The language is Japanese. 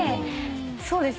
そうですね